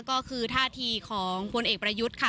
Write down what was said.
ก็คือท่าทีของพลเอกประยุทธ์ค่ะ